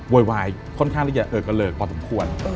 โวยวายค่อนข้างที่จะเออกระเลิกพอสมควร